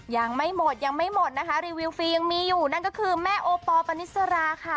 ยังไม่หมดยังไม่หมดนะคะรีวิวฟรียังมีอยู่นั่นก็คือแม่โอปอลปณิสราค่ะ